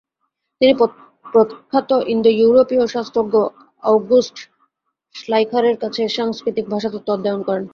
তিনি প্রখ্যাত ইন্দো-ইউরোপীয় শাস্ত্রজ্ঞ আউগুস্ট শ্লাইখারের কাছে সাংস্কৃতিক ভাষাতত্ত্ব অধ্যয়ন করেন।